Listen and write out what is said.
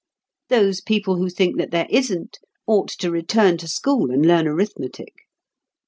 Those persons who think that there isn't, ought to return to school and learn arithmetic.